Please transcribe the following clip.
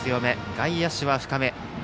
外野手は深め。